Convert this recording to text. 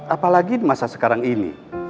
apalagi di masa sekarang ini